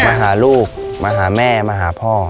มาหาลูกมาหาแม่มาหาพ่อ